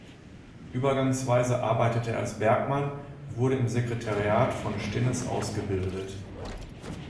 Übergangsweise arbeitete er als Bergmann und wurde im Sekretariat von Stinnes ausgebildet.